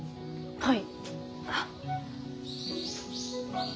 はい。